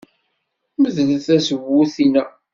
Medlet tazewwut-inna.